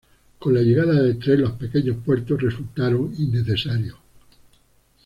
Con la llegada del tren los pequeños puertos resultaron innecesarios.